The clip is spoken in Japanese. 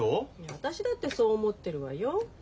私だってそう思ってるわよ。